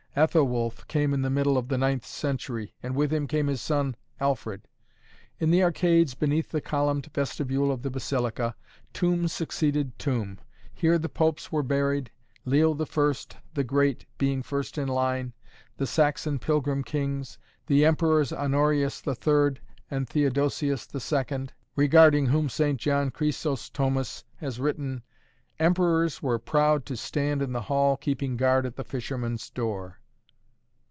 Ethelwulf came in the middle of the ninth century, and with him came his son Alfred. In the arcades beneath the columned vestibule of the Basilica, tomb succeeded tomb. Here the popes were buried, Leo I, the Great, being first in line, the Saxon Pilgrim Kings, the Emperors Honorius III and Theodosius II, regarding whom St. John Chrysostomus has written: "Emperors were proud to stand in the hall keeping guard at the fisherman's door."